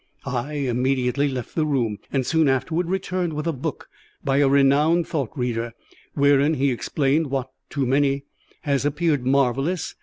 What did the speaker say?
I immediately left the room, and soon afterwards returned with a book by a renowned thought reader, wherein he explained what, to so many, has appeared marvellous.